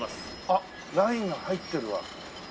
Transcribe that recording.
あっラインが入ってるわ。